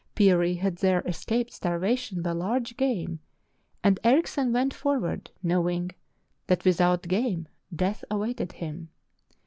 Peary had there escaped starvation by large game, and Erichsen went forward knowing that without game death awaited him.